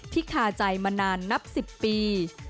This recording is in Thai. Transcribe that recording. คาใจมานานนับ๑๐ปี